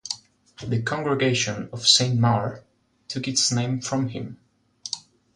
The Congregation of Saint Maur took its name from him.